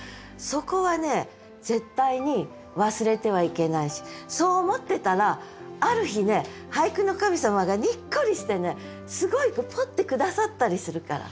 そこはね絶対に忘れてはいけないしそう思ってたらある日ね俳句の神様がにっこりしてねすごい句ポッて下さったりするから。